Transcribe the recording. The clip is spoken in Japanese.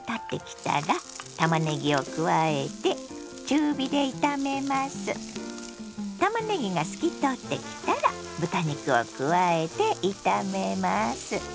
たまねぎが透き通ってきたら豚肉を加えて炒めます。